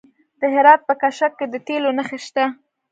د هرات په کشک کې د تیلو نښې شته.